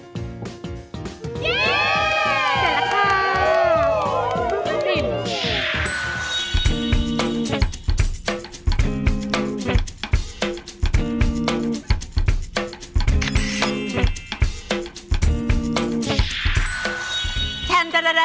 เสร็จแล้วค่ะ